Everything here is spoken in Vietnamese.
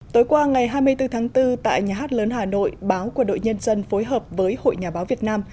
tối qua ngày hai mươi bốn tháng bốn tại nhà hát lớn hà nội báo của đội nhân dân phối hợp với hội nhà báo việt nam